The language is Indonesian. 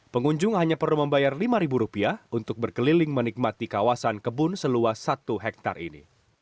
pengunjung hanya perlu membayar lima rupiah untuk berkeliling menikmati kawasan kebun seluas satu hektare ini